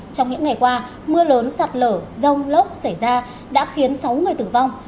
trong những ngày qua mưa lớn sạt lở rông lốc xảy ra đã khiến sáu người tử vong